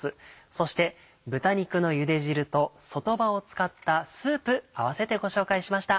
そして豚肉のゆで汁と外葉を使ったスープ併せてご紹介しました。